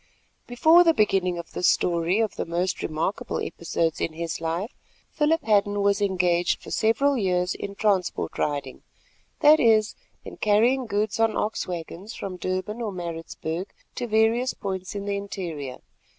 Before the beginning of this story of the most remarkable episodes in his life, Philip Hadden was engaged for several years in transport riding—that is, in carrying goods on ox waggons from Durban or Maritzburg to various points in the interior.